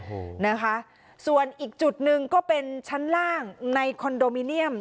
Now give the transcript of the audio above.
โอ้โหนะคะส่วนอีกจุดหนึ่งก็เป็นชั้นล่างในคอนโดมิเนียม